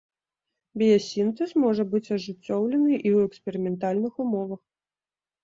Біясінтэз можа быць ажыццёўлены і ў эксперыментальных умовах.